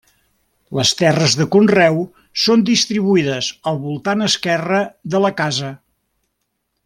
Les terres de conreu són distribuïdes al voltant esquerre de la casa.